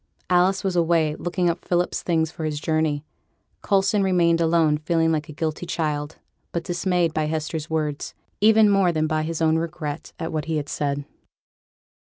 Alice was away, looking up Philip's things for his journey. Coulson remained alone, feeling like a guilty child, but dismayed by Hester's words, even more than by his own regret at what he had said.